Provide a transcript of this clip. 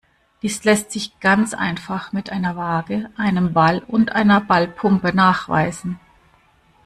Dies lässt sich ganz einfach mit einer Waage, einem Ball und einer Ballpumpe nachweisen.